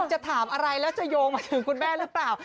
จะถามอะไรแล้วจะโยงมาถึงคุณแม่หรือเปล่า